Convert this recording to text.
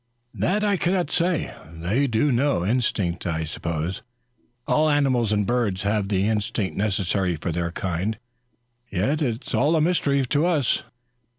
"That I cannot say. They do know. Instinct, I suppose. All animals and birds have the instinct necessary for their kind, yet it is all a mystery to us."